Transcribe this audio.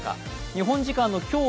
日本時間の今日